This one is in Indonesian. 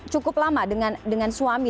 cukup lama dengan suami